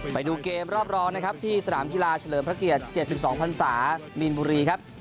ไปดูเกมรอบรองนะครับที่สนามกีฬาเฉลิมพระเกียรติ๗๒พันศามีนบุรีครับ